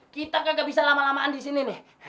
kita gak bisa lama lamaan disini